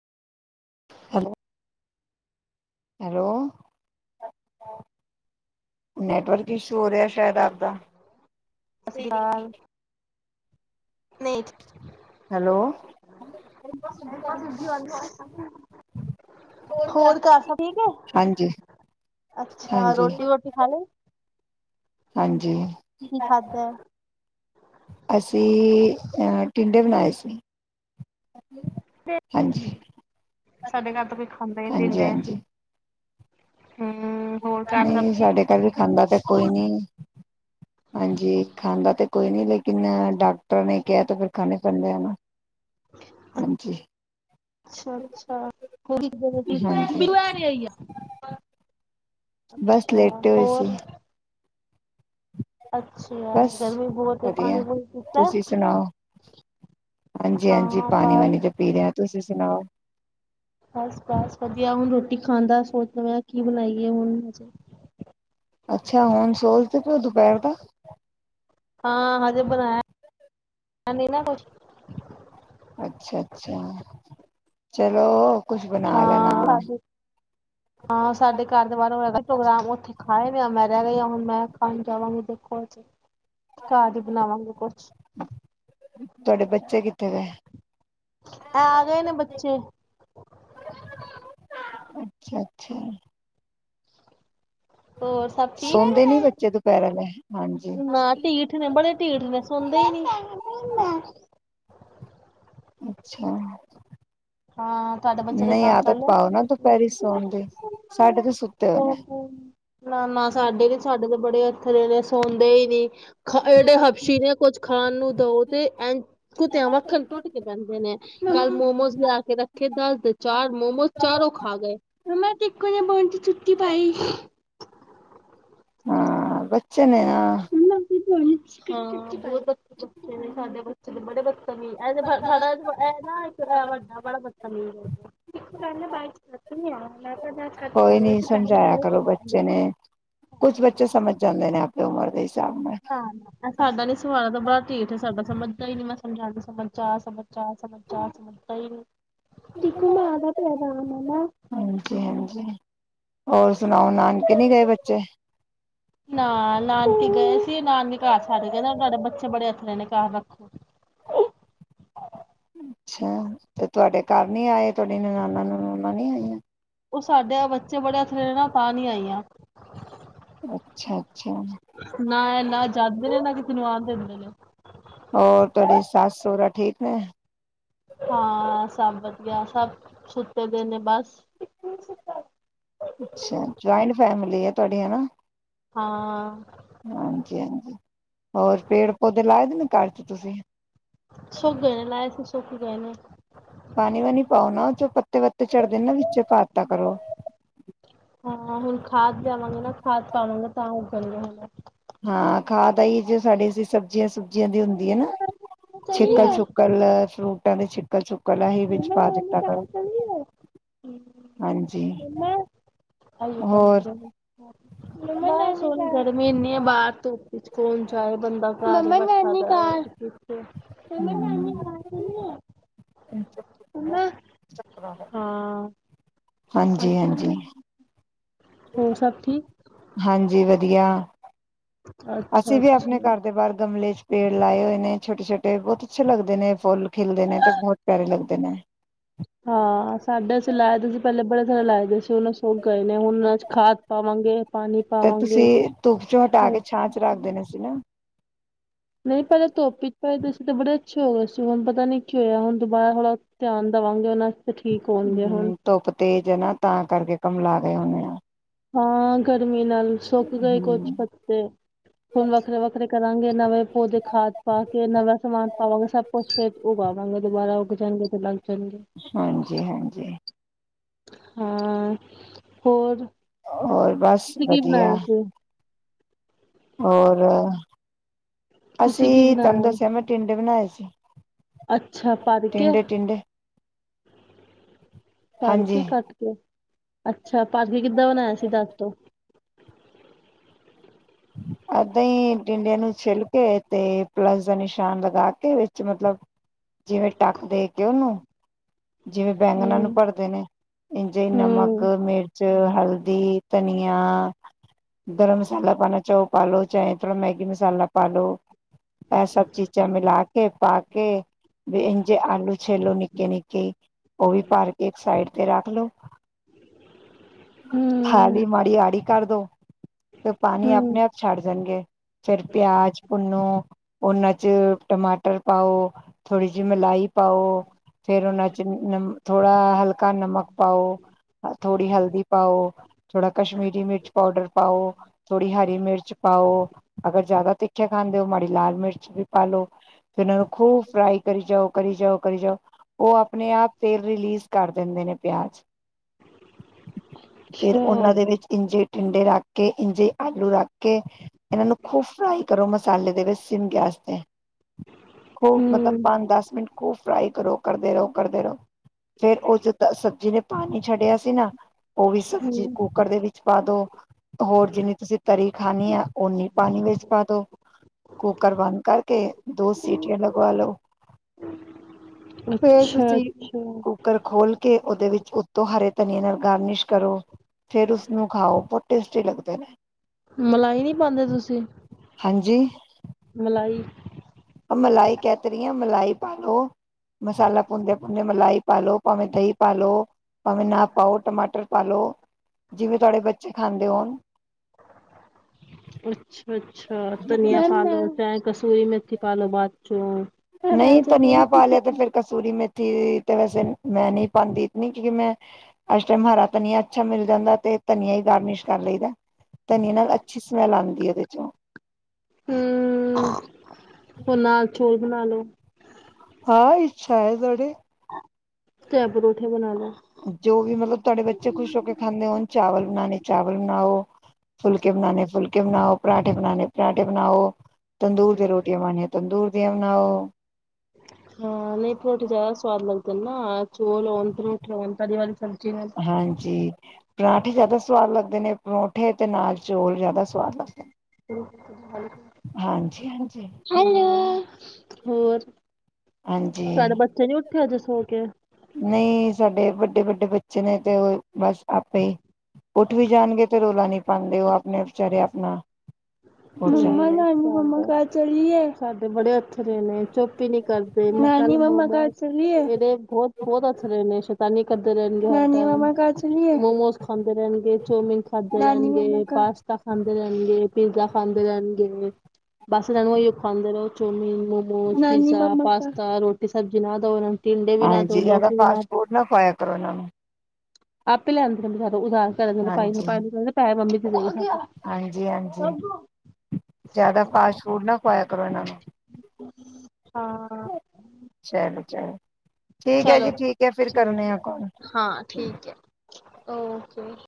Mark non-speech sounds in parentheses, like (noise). Hello. Hello, network ਇਸ ਸੂਰਿਆ ਸ਼ਾਇਦ ਆਪ ਸਤਿ ਦਾ। ਸ੍ਰੀ ਅਕਾਲ ਨਹੀਂ। ਹੈਲੋ, ਹੋਰ ਘਰ ਸਭ ਠੀਕ ਹੈ ਹਾਂਜੀ, ਅੱਛਾ ਹਾਂਜੀ। ਰੋਟੀ ਵੋਟੀ ਖਾ ਲਈ ਹਾਂਜੀ, ਕੀ ਖਾਧਾ ਅਸੀਂ ਅਹ ਟਿੰਡੇ ਬਣਾਏ ਸੀ। ਹਾਂਜੀ ਸਾਡੇ ਘਰ ਤਾਂ ਕੋਈ ਖਾਂਦੇ ਈ ਨੀ ਹਾਂਜੀ ਟਿੰਡੇ। ਹਾਂਜੀ ਨਹੀਂ ਠੀਕ ਸਾਡੇ ਘਰ ਵੀ ਖਾਂਦਾ ਤੇ ਕੋਈ ਅੱਛਾ ਨੀ ਹਾਂਜੀ ਖਾਂਦਾ ਤੇ ਕੋਈ ਨੀ ਲੇਕਿਨ ਡਾਕਟਰ ਨੇ ਕਿਹਾ ਤੇ ਫਿਰ ਖਾਣੇ ਪੈਂਦੇ ਆ ਨਾ ਹਾਂਜੀ ਅੱਛਾ -ਅੱਛਾ, ਹੋ ਹਾਂਜੀ ਆਈ ਆ ਬਸ ਲੇਟੇ ਹੋਏ ਸੀ। ਅੱਛਾ ਬਸ ਗਰਮੀ ਬਹੁਤ ਹੈ ਵਧੀਆ, ਪਾਣੀ ਪੂਣੀ ਪੀਤਾ ਤੁਸੀਂ ਸੁਣਾਓ? ਹਾਂਜੀ -ਹਾਂਜੀ ਹਾਂ ਪਾਣੀ- ਬਸ ਵਾਣੀ ਤੇ ਪੀ ਰਿਹਾ ਤੁਸੀਂ ਜਨਾਓ ਬਸ -ਬਸ ਵਧੀਆ ਹੁਣ ਰੋਟੀ ਖਾਣ ਦਾ ਸੋਚ ਰਹੇ ਹਾ ਕਿ ਬਣਾਇਏ ਹਜੇ ਹੁਣ ਮੇ ਅੱਛਾ ਹੁਣ ਸੋਚਦੇ ਪਓ ਦੁਪਹਿਰ ਦਾ ਹੈ ਨੀ ਨਾ ਕੁਛ ਅੱਛਾ -ਅੱਛਾ ਚਲੋ ਕੁਛ ਬਣਾ ਹਾਂ ਲੈਣਾ ਸਾ ਹਾਂ ਸਾਡੇ ਘਰ ਦੇ ਬਾਹਰ ਹੋਇਆ ਹੈ ਪ੍ਰੋਗਰਾਮ ਉੱਥੇ ਹਾਏ ਮ ਮੈਂ ਰਹਿ ਗਈ ਹੁਣ ਮੈਂ ਖਾਣ ਜਾਵਾਂਗੀ ਦੇਖੋ ਹਜੇ ਘਰ ਹੀ ਬਣਾਵਾਂਗੇ ਕੁਛ ਤੁਹਾਡੇ ਬੱਚੇ ਕਿੱਥੇ ਗਏ ਐ ਆ ਗਏ ਨੇ ਬੱਚੇ। ਅੱਛਾ ਅੱਛਾ ਹੋਰ ਸਭ ਸੌਦੇ ਨੀ ਠੀਕ ਬੱਚੇ ਦੁਪਹਿਰ ਆਲੇ ਹਾਂਜੀ ਨਾ ਢੀਠ ਨੇ ਬੜੇ ਢੀਠ ਨੇ ਸੌਦੇ ਹੀ ਨੀ ਅੱਛਾ, ਹਾਂ ਤੁਹਾਡੇ ਬੱਚੇ ਦਾ ਨਹੀਂ ਕੰਮ ਕਰ ਆਦਤ ਲਿਆ ਪਾਓ ਨਾ ਦੁਪਹਿਰੀ ਸੌਣ ਦੀ ਸਾਡੇ ਤੇ ਸੁੱਤੇ ਹੋਏ ਨੇ ਨਾ ਨਾ ਸਾਡੇ ਵੀ ਸਾਡੇ ਤੇ ਬੜੇ ਹੱਥ ਦੇਦੇ ਸੌਦੇ ਹੀ ਨਹੀਂ। ਖ ਜਿਹੜੇ ਹਫਸ਼ੀ ਨੇ ਕੁੱਝ ਖਾਣ ਨੂੰ ਦੋ ਤੇ ਐ ਕੁੱਤਿਆਂ ਵੱਖਣ ਟੁੱਟ ਕੇ ਪੈਂਦੇ ਨੇ ਕੱਲ ਮੋਮੋਸ ਲਿਆ ਰੱਖੇ ਦਸ ਦੇ ਚਾਰ ਮੋਮੋਸ ਚਾਰੋਂ ਖਾ ਗਏ। ਮੈਂ ਤੇ ਇੱਕੋ ਜਹਾ ਬੋਣ ਚ ਛੁੱਟੀ ਪਾਈ। ਹਾਂ ਬੱਚੇ ਨੇ ਹਾਂ। (inaudible) ਹਾਂ ਬ (unintelligible) ਸਾਡੇ ਬੱਚੇ ਤੇ ਬੜੇ ਬੱਚੇ ਸਾਡਾ ਨਾ ਵੱਡਾ ਬਾ ਕੇਹੀ ਕੋਈ ਨੀ ਸਮਝਾਇਆ ਕਰੋ ਬੱਚੇ ਨੇ ਕੁਛ ਬੱਚੇ (inaudible) ਸਮਝ ਜਾਂਦੇ ਨੇ ਆਪਣੀ ਉਮਰ ਦੇ ਹਿਸਾਬ ਨਾਲ ਹਾਂ ਸਾਡਾ ਨੀ ਸੁਭਾਅ ਦਾ ਬੜਾ ਢੀਠ ਐ ਸਾਡਾ ਸਮਝਦਾ ਹੀ ਨੀ ਮੈਂ ਸਮਝਾ ਦ ਸਮਝ ਜਾ- ਸਮਝ ਜਾ- ਸਮਝ ਜਾ ਸਮਝਦਾ ਹੀ ਨਈ। ਮਾਮਾ। ਹਾਂਜੀ-ਹਾਂਜੀ ਹੋਰ ਸੁਣਾਓ, ਨਾਨਕੇ ਨੀ ਗਏ ਬੱਚੇ ਨਾ ਨਾਨਕੇ ਗਏ ਸੀ ਨਾਨਕੇ ਘਰ ਛਡ ਕੇ ਕਹਿੰਦੇ ਤੁਹਾਡੇ ਬੱਚੇ ਬੜੇ ਅੱਥਲੇ ਨੇ ਘਰ ਰੱਖੋ। ਅੱਛਾ ਤੇ ਤੁਹਾਡੇ ਘਰ ਨੀ ਆਏ ਤੁਹਾਡੀ ਨਣਾਨਾਂ ਨਨੂੰਨਾਂ ਨੀ ਆਈਆਂ। ਉਹ ਸਾਡੇ ਬੱਚੇ ਬੜੇ ਅਥਰੇ ਨੇ ਤਾਂ ਨੀ ਆਈਆਂ। ਅੱਛਾ ਅੱਛਾ ਨਾ ਇਹ ਨਾ ਜਾਂਦੇ ਨੇ ਨਾ ਕਿਸੇ ਨੂੰ ਆਣ ਦਿੰਦੇ ਨੇ। (unintelligible) ਹੋਰ ਤੁਹਾਡੀ ਸੱਸ ਸੋਹਰਾ ਠੀਕ ਐ। ਹਾਂ ਸਭ ਵਧੀਆ, ਸਭ ਸੁੱਤੇ ਦੇ ਨੇ ਬਸ ਤੁਹਾਡੇ ਹਨਾ ਹਾਂ, ਹਾਂਜੀ-ਹਾਂਜੀ ਹੋਰ ਪੇੜ ਪੌਦੇ ਲਾਏ ਦੇ ਨੇ ਘਰ ਚ ਤੁਸੀਂ ਸੁੱਕ ਗਏ ਨੇ ਲਾਏ ਸੀ ਸੁੱਕ ਗਏ ਨੇ। ਪਾਣੀ ਵਾਣੀ ਪਾਓ ਨਾ ਚ ਪੱਤੇ ਵੱਤੇ ਚੜਦੇ ਨਾ ਵਿੱਚ ਪਾਤਾ ਕਰੋ। ਦੇਵਾਂਗੇ ਨਾ ਖਾਦ ਪਾਵਾਂਗੇ ਤਾਂ ਉਹ ਕਰੇਗਾ ਹੁਣ ਹਾਂ ਖਾਦ ਇਹੀ ਜੋ ਸਾਡੇ ਸੀ ਸਬਜ਼ੀਆਂ ਸੁਬ ਬਜ਼ੀਆਂ ਦੀ ਹੁੰਦੀ ਹੈ ਨਾ ਛਿੱਕਲ- ਛੁਕਲ ਫਰੂ ਕਹਿੰਦੇ ਛਿਕਲ ਛੂ (inaudible) ਹਾਂਜੀ ਹੋਰ ਗਰਮੀ ਐਨੀ ਐ ਬਾਹਰ ਧੁੱਪ ਚ ਕੌਣ ਚ ਬੰ (inaudible) ਮੰਮਾ ਹਾਂ, ਹਾਂਜੀ ਹਾਂਜੀ ਹੋਰ ਸਭ ਠੀਕ। ਹਾਂਜੀ ਵਧੀਆ। ਅੱਛਾ ਅਸੀਂ ਵੀ ਅੱਛਾ ਆਪਣੇ ਘਰ ਦੇ ਬਾਹਰ ਗਮਲੇ ਚ। ਪੇੜ ਲਾਏ ਹੋਏ ਨੇ ਛੋਟੇ ਛੋਟੇ ਬਹੁਤ ਅੱਛੇ ਲੱਗਦੇ ਨੇ ਫੁੱਲ ਖੇਲਦੇ ਨੇ ਤੇ ਬਹੁਤ ਪਿਆਰੇ ਲੱਗਦੇ ਨੇ। ਹਾਂ ਸਾਡੇ ਅਸੀਂ ਲਾਏ ਦੇ ਸੀ ਪਹਿਲੇ ਬੜੇ ਸਾਰੇ ਲਾਏ ਦੇ ਸੀ ਉਹ ਸੌ ਗਏ ਨੇ ਹੁਣ ਅ ਖਾਦ ਪਾਵਾਂਗੇ। ਪਾਣੀ ਤੇ ਤੁਸੀਂ ਪਾਵਾਂਗੇ ਧੁੱਪ ਚੋਂ ਹਟਾ ਫਿਰ ਕੇ ਛਾਂ ਚ ਰੱਖ ਦੇਣਾ ਸੀ ਨਾ। ਨਹੀਂ ਪਹਿਲਾਂ ਧੋਪੀ ਚ ਭਜਦੇ ਸੀ ਤੇ ਬੜੇ ਅੱਛੇ ਹੋ ਗਏ ਸੀ ਹੁਣ ਪਤਾ ਨੀ ਕੀ ਹੋਇਆ ਹੁਣੁਬਾਰਾ ਹ ਧਿਆਨ ਦੇਵਾਂਗੇ ਉਹਨਾਂ ਠੀਕ ਹੋਣਗੇ ਹੁਣ ਹੂੰ ਧੁੱਪ ਤੇਜ ਹੈ ਨਾ ਤਾਂ ਕਰਕੇ ਗਮਲਾ ਹੋਣੇ ਆ। ਹਾਂ ਗਰਮੀ ਨਾਲ ਸੁੱਕ ਗਏ ਕੁਛ ਹੂੰ। ਪੱਤੇ ਹੁਣ ਵੱਖਰੇ ਵੱਖਰੇ ਕਰਾਗੇ ਨਵੇਂ ਪੌਦੇ ਖਾਦ ਪਾ ਕੇ ਨਵੇਾ ਸਮਾਨ ਪਾਵਾਂਗੇ ਸਭ ਕੁਛ ਫੇਰ ਉਗਾਵਾਂਗੇ ਦੁਬਾਰਾ ਉ ਕੇ ਜਾਣਗੇ ਚੱਲਾਂਗੇ। ਹਾਂਜੀ ਹਾਂਜੀ। ਹਾਂ ਹੋਰ ਹੋਰ ਬਸ ਤੁਸੀਂ ਕੀ ਵਧੀਆ। ਬਣਾਇਆ ਸੀ ਹੋਰ ਤੁਸੀਂ ਕੀ ਅਸੀਂ ਤੰ ਦੋ ਬਣਾਇਆ ਸਿਆਮ ਟਿੰਡੇ ਬਣਾਏ ਸੀ। ਅੱਛਾ ਪਰ ਕੇ ਟਿੰਡੇ-ਟਿੰਡੇ ਪਰ ਹਾਂਜੀ। ਕੇ ਕੱਟ ਕੇ। ਅੱਛਾ ਅੱਛਾ ਪਰ ਕੇ ਕਿੱਦਾਂ ਬਣਾਇਆ ਸੀ ਦੱਸ ਦੋ। ਏਦਾਂ ਹੀ ਡਿੰਡੀਆਂ ਨੂੰ ਛਿੱਲ ਕੇ ਤੇ ਪਲਸ ਦਾ ਨਿਸ਼ਾਨ ਲਗਾ ਕੇ ਵਿੱਚ ਮਤਲਬ ਜਿਵੇਂ ਟੱਕ ਦੇ ਕੇ ਉਹਨੂੰ ਜਿਵੇਂ ਬੈਂਗਨਾਂ ਨੂੰ ਹੂੰ ਭਰਦੇ ਨੇ ਇੰਜ ਨਮਕ ਹੂੰ ਮਿਰਚ ਹਲਦੀ ਧਨੀਆ ਗਰਮ ਮਸਾਲਾ ਪਾਣਾ ਚਾਓ। ਪਾ ਲ ਲੋ ਚਾਹੇ ਫਲ ਮੈਗੀ ਮਸਾਲਾ ਪਾ ਲੋ। ਇਹ ਸਭ ਚੀਜ਼ਾਂ ਮਿਲਾ ਕੇ ਪਾ। ਕੇ ਜੇ ਆਲੂ ਛਲ ਨਕੇ ਕੇ ਉਹ ਵੀ ਭਰ ਕੇ ਇੱਕ ਸਾਈਡ ਤੇ ਰੱਖ ਲੋ। ਹੂੰ ਥਾਲੀ ਮਾੜੀ ਆੜੀ ਕਰ ਦੋ, ਤੇ ਪਾਣੀ ਹੂੰ ਆਪਣੇ ਆਪ ਛੱਡ ਜਾਣਗੇ। ਫਿਰ ਪਿਆਜ ਪੁਨੋ। ਉਨਾਂ ਚ ਟਮਾਟਰ ਪਾਓ। ਥੋੜ੍ਹੀ ਜਿਹੀ ਮਲਾਈ ਪਾਓ। ਨਾ ਉਨਾ ਚ ਥੋੜਾ ਹਲਕਾ, ਨਮਕ ਪਾਓ ਥੋੜੀ ਹਲਦੀ ਪਾਓ ਥੋੜਾ ਕਸ਼ਮੀਰੀ ਮਿਰਚ ਪਾਊਡਰ ਪਾਓ ਥੋੜੀ ਹਰੀ ਮਿਰਚ ਪਾਓ ਅਗਰ ਜਿਆਦਾ ਤਿੱਖੇ ਖਾ ਮਾੜੀ ਲਾਲ ਮਿਰਚ ਵੀ ਪਾਲੋ, ਫੇਰ ਇਹ ਨੂੰ ਖੂਬ ਫ੍ਰਾਈ ਕਰ ਜਾਓ ਕਰ ਜਾਓ। ਕਰੀ ਜਾਓ। ਉਹ ਆਪਣੇ ਆਪ ਫਲ ਰਿਲੀਜ਼ ਕਰ ਦਿੰਦੇ ਨੇ ਪਿਆਜ ਫਿਰ ਅੱਛਾ ਉਹਨਾਂ ਦੇ ਵਿੱਚ ਇੰਜੇਟ ਟਿੰਡੇ ਰੱਖ ਕੇ ਇੰਜੇ ਆਲੂ ਰੱਖ ਕੇ ਇਹਨਾਂ ਨੂੰ ਖੂਬ ਫਰਾਈ ਕਰੋ, ਮਸਾਲੇ ਦੇ ਵਿੱਚ ਸਿਮ ਗੈਸ ਤੇ ਹੋ ਮਤਲਬ ਹੂੰ, ਪੰਜ ਦਸ ਮਿੰਟ, ਖੂਬ ਫਰਾਈ ਕਰੋ। ਕਰਦੇ ਰਹੋ ਕਰਦੇ ਰਹੋ ਫੇਰ ਉਹ ਜਿੱਦਾਂ ਸਬਜ਼ੀ ਨੇ ਪਾਣੀ ਛੱਡਿਆ ਸੀ ਨਾ, ਉਹ ਵੀ ਸਬਜ਼ੀ ਕੂੱਕਰ ਦੇ ਵਿੱਚ ਪਾ ਦੋ ਹੋਰ ਜਿੰਨੀ ਤੁਸੀਂ ਤਰੀ ਖਾਣੀ ਹੈ ਓਨੀ ਪਾਣੀ ਵਿੱਚ ਪਾ ਦੋ ਕੁੂਕਰ ਬੰਦ ਕਰਕੇ ਦੋ ਸੀਟੀਆਂ ਲਗਵਾ ਲਉ। ਫੇਰ ਤੁਸੀਂ ਅੱਛਾ-ਅੱਛਾ, ਕੁੂੱਕਰ ਖੋਲ ਕੇ ਉਹਦੇ ਵਿੱਚ ਉੱਤੋਂ ਹਰੇ ਧਨੀਏ ਨਾਲ ਗਾਰਨਿਸ਼ ਕਰੋ ਫੇਰ ਉਸਨੂੰ ਖਾਓ ਬਹੁਤ ਟੇਸਟੀ ਲੱਗਦੇ ਨੇ। ਮਲਾਈ ਨੀ ਪਾਦੇ ਤੁਸੀਂ? ਹਾਂਜੀ, ਮਲਾਈ ਕਹਿ ਤੇ ਰਹੀ ਆ ਮਲਾਈ ਪਾ ਲਓ ਮਸਾਲਾ ਪੁੰਦੇ ਭੁੰਨਦੇ ਮਲਾਈ ਪਾ ਲਓ ਭਾਵੇਂ ਦਹੀਂ ਪਾ ਲਓ ਭਾਵੇਂ ਨਾ ਪਾਓ ਟਮਾਟਰ ਪਾ ਲਓ ਜਿਵੇਂ ਤੁਹਾਡੇ ਬੱਚੇ ਖਾਂਦੇ ਹੋਣ, ਅੱਛਾ-ਅੱਛਾ ਧਨੀਆਂ ਪਾਲ ਚ ਕ ਕਸੂਰੀ ਮੈਥੀ ਪਾਲੋ ਬਾਦ ਚ ਨਹੀਂ ਧਨੀਆਂ ਪਾ ਲਿਆ ਤੇ ਫਿਰ ਕਸੂਰੀ ਮੇ ਤੇ ਵੈਸੇ ਮੈਂ ਨਹੀਂ ਪਾਦੀ ਇਤਨੀ ਕਿਉਂਕਿ ਮੈਂ ਅੱ ਟਾਈਮ ਹਰਾ ਧਨੀਆ ਅੱਛਾ ਮਿਲ ਜਾਂਦਾ ਤੇ ਧਨੀਆ ਹੀ ਗਾਰਨਿਸ਼ ਕਰ ਲਈਦਾ ਧਨੀਆ ਨਾਲ ਅੱਛੀ ਸਮੈਲ ਆਦੀ ਉਹਦੇ ਚੋਂ, ਹੂੰ, ਹੋਰ ਨਾਲ ਚੋਲ ਬਣਾ ਲੋ। ਆਹ ਇੱਛਾ ਤੁਹਾਡੀ, ਤੇੈ ਪਰੋਠੇ ਬਣਾ ਲੈ। ਜੋ ਵੀ ਮਤਲਬ ਤੁਹਾਡੇ ਬੱਚੇ ਖੁਸ਼ ਹੋ ਕੇ ਖਾਂਦੇ ਹੋ ਚਾਵਲ ਬਣਾਣੇ ਚਾਵਲ ਬਣਾਓ ਫੁਲਕੇ ਬਣਾਣੇ ਫੁਲਕੇ ਬਣਾਓ ਪਰਾਂਠੇ ਬਣਾਉਣੇ ਪਰਾਂਠੇ ਬਣਾਓ। ਤੰਦੂਰ ਤੇ ਰੋਟੀਆਂ ਪਾਣੀਆਂ ਤੰਦੂਰ, ਉਣਾ ਉਹ ਹਾਂ ਨਹੀਂ ਪਰੋਟੀ ਜ਼ਿਆਦਾ ਸਵਾਦ ਲੱਗਦੀ। ਨਾ ਚੋਲੋ ਉਹ ਤਾਂ ਮੂੱਠਾ ਵਾਲੀ ਤਰੀ ਵਾਲੀ ਸਬਜੀ ਹਾਂਜੀ ਪਰਾਂਠੇ ਜ਼ਿਆਦਾ ਸੁਵਾਦ ਲੱਗਦੇ ਨੇ ਪਰੌਂਠੇ ਤੇ ਨਾਲ ਚੌਲ ਜ਼ਿਆਦਾ ਸਵਾਦ ਲੱਗਦੇ ਨੇ। ਹਾਂ ਹਾਂਜੀ ਹਾਂਜੀ। ਹੋਰ ਹਾਂਜੀ ਤਾਡੇ ਬੱਚੇ ਨੀ ਉੱਠੇ ਜੇ ਸੋ ਕੇ ਨਹੀਂ ਸਾਡੇ ਵੱਡੇ ਵੱਡੇ ਬੱਚੇ ਨੇ ਤੇ ਉਹ ਬਸ ਆਪੇ ਉੱਠ ਵੀ ਜਾਣਗੇ ਤੇ ਰੌਲਾ ਨਹੀਂ ਪਾਉਂਦੇ ਉਹ ਆਪਣੇ ਵਿਚਾਰੇ ਆਪਣਾ ਉੱਠ ਜਾ ਮੰਮਾ ਨਾਨੀ ਮੰਮਾ ਘਰ ਚਲੀਏ ਸਾਡੇ ਬੜੇ ਅੱਥਰੇ ਨੇ ਚੁੱਪ ਨੀ ਕਰਦੇ (unintelligible) ਇਹਦੇ ਬੋਹੁਤ ਬਹੁਤ ਅੱਛੇ ਰਹੇ ਨੇ ਸ਼ੈਤਾਨੀ ਕਰਦੇ ਰਹਿਣਗੇ (unintelligible) ਚਲੀਏ ਮੋਮੋਸ ਖਾਂਦੇ ਰਹਿਣਗੇ ਚੋਮਨ ਖਾਂਦੇ ਰਹਿਣਗੇ ਪਾਸਤਾ ਖਾਂਦੇ ਰਹਿਣਗੇ। ਪੀਜ਼ਾ ਖਾਂਦੇ ਰਹਿਣਗੇ ਬਸ ਰਣ ਉਹ ਖਾਂਦੇ ਰਹੋ ਚੋਮੀਨ ਮਮੋਸ ਪਾਸਤਾ ਰੋਟੀ ਸਬਜ਼ੀ ਜਨਾਦ ਉਹਨਾਂ ਹਾਂਜੀ ਇਹ ਤਾਂ ਫਾਸਟ ਫੂਡ ਨਾ ਖਵਾਇਆ ਕਰੋ ਇਹਨਾਂ ਨੂੰ ਆਪੇ ਲਿਆਂਉਦੇ ਨੇ ਉਦਾਸ ਕਰਨ (unintelligible) ਮੰਮੀ ਹੂੰ ਹਾਂਜੀ-ਹਾਂਜੀ ਜਿਆਦਾ ਫਾਸਟ ਫੂਡ ਨਾ ਖਵਾਇਆ ਕਰੋ ਇਹਨਾਂ ਨੂੰ। (unintelligible) ਚਲੋ ਚਲੋ ਠੀਕ ਹੈ ਚਲੋ ਜੀ ਠੀਕ ਹੈ ਫਿਰ ਕਰਨੇ ਠੀਕ ਆ ਹੈ ਕਾਲ। ਹਾਂ ਠੀਕ ਹੈ ਓਕੇ।